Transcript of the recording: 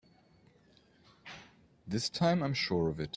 This time I'm sure of it!